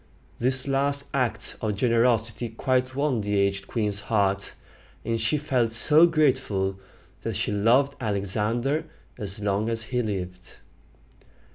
This last act of generosity quite won the aged queen's heart; and she felt so grateful, that she loved Alexander as long as he lived.